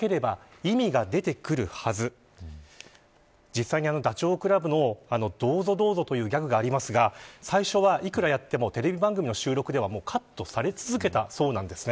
実際にダチョウ倶楽部のどうぞどうぞというギャグがありますが最初は幾らやってもテレビ番組の収録ではカットされ続けたそうです。